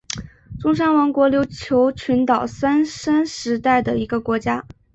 中山王国琉球群岛三山时代的一个国家。